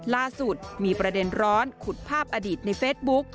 ล่าสุดมีประเด็นร้อนขุดภาพอดีตในเฟซบุ๊ก